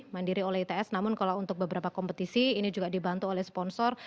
mandiri oleh its namun kalau untuk beberapa kompetisi ini juga dibantu oleh sponsor